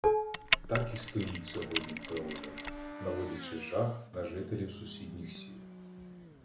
Так і стоїть сьогодні це озеро, наводячи жах на жителів сусідніх сіл.